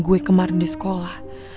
gue kemarin di sekolah